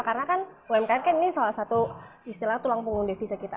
karena kan umkm kan ini salah satu istilah tulang punggung desisa kita